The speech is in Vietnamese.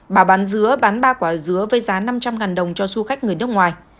bà bán dứa bán ba quả dứa với giá năm trăm linh đồng cho du khách người nước ngoài